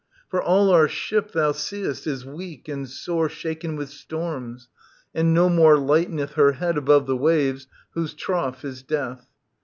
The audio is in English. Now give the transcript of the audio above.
For all our ship, thou see'st, is weak and sore Shaken with storms, and no more lighteneth Her head above the waves whose trough is death.